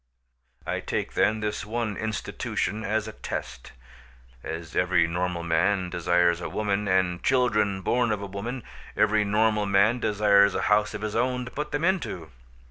I take, then, this one institution as a test. As every normal man desires a woman, and children born of a woman, every normal man desires a house of his own to put them into.